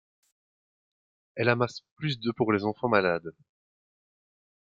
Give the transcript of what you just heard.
Elle amasse plus de pour les enfants malades.